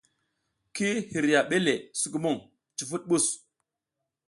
Ki hiriya ɓe le sukumuƞ, cufuɗ mɓus.